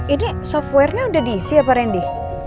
ini software nya udah diisi ya pak randy